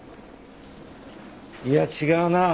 いや違うな。